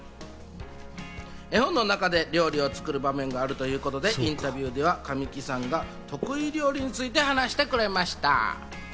絵本の中で料理を作る場面があるということで、インタビューでは神木さんが得意料理について話してくれました。